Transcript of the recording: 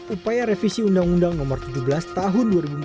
upaya revisi undang undang nomor tujuh belas tahun dua ribu empat belas